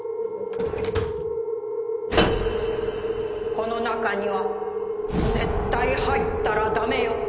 この中には絶対入ったら駄目よ